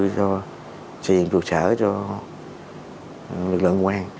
cho truyền trụ sở cho lực lượng ngoan